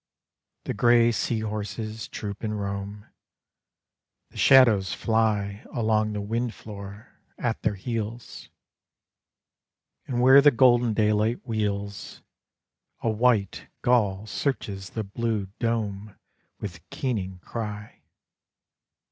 The gray sea horses troop and roam; The shadows fly Along the wind floor at their heels; And where the golden daylight wheels, A white gull searches the blue dome With keening cry.